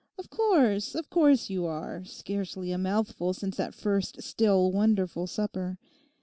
'Of course, of course you are—scarcely a mouthful since that first still wonderful supper.